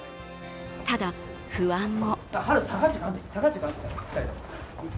ただ、不安も。